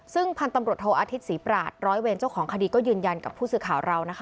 ซึ่งพันธุ์ตำรวจโทอาทิตยศรีปราชร้อยเวรเจ้าของคดีก็ยืนยันกับผู้สื่อข่าวเรานะคะ